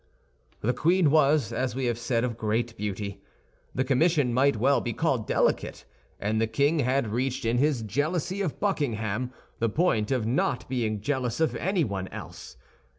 The queen was, as we have said, of great beauty. The commission might well be called delicate; and the king had reached, in his jealousy of Buckingham, the point of not being jealous of anyone else.